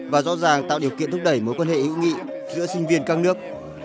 và rõ ràng tạo điều kiện thúc đẩy mối quan hệ hữu nghị giữa sinh viên các nước